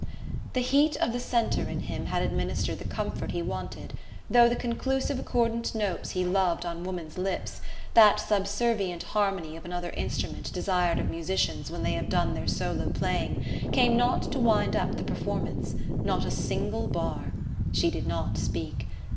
The heat of the centre in him had administered the comfort he wanted, though the conclusive accordant notes he loved on woman's lips, that subservient harmony of another instrument desired of musicians when they have done their solo playing, came not to wind up the performance: not a single bar. She did not speak.